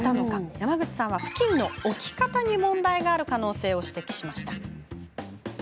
山口さんはふきんの置き方に問題がある可能性を指摘しました。